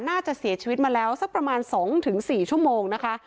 น่าจะเสียชีวิตมาแล้วสักประมาณ๒๔ชั่วโมงนะคะ